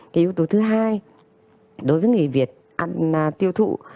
cái yếu tố thứ hai đối với người việt ăn tiêu thụ